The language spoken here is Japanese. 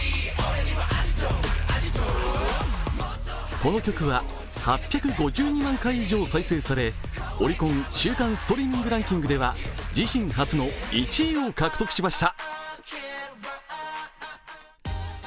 この曲は８５２万回以上再生されオリコン週間ストリーミングランキングでは自身初の１位を獲得しました。